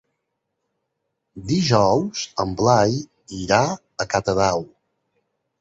Dijous en Blai irà a Catadau.